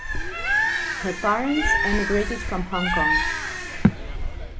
Her parents emigrated from Hong Kong.